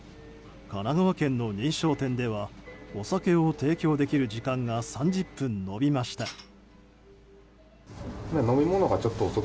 神奈川県の認証店ではお酒を提供できる時間が３０分延びました。